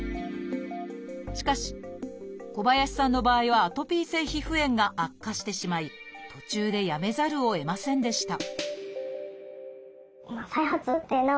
しかし小林さんの場合はアトピー性皮膚炎が悪化してしまい途中でやめざるをえませんでした